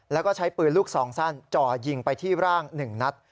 แล้วก็ใช้ปืนลูกซองสั้นจ่อยิงไปที่ร่าง๑นัด